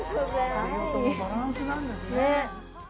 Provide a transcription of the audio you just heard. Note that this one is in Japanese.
何事もバランスなんですね。